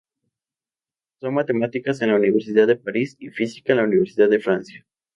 Cursó matemáticas en la Universidad de París y física en la Universidad de Francia.